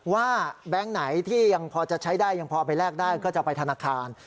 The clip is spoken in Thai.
แบงค์ไหนที่ยังพอจะใช้ได้ยังพอไปแลกได้ก็จะไปธนาคาร